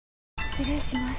失礼します。